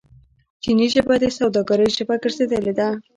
چیني ژبه د سوداګرۍ ژبه ګرځیدلې ده.